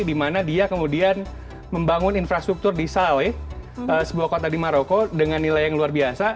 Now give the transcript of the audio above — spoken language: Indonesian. karena dia kemudian membangun infrastruktur di saleh sebuah kota di maroko dengan nilai yang luar biasa